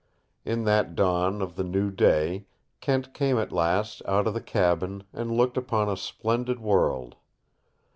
In that dawn of the new day Kent came at last out of the cabin and looked upon a splendid world.